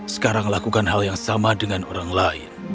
sekarang lakukan hal yang sama dengan orang lain